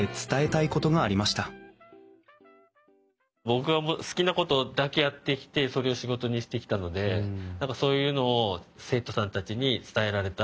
僕が好きなことだけやってきてそれを仕事にしてきたので何かそういうのを生徒さんたちに伝えられたらいいなあと思いながら。